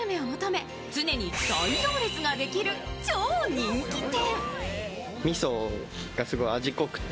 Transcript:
絶品グルメを求め常に大行列ができる超人気店。